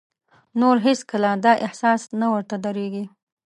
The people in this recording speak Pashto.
نور هېڅ کله دا احساس نه ورته درېږي.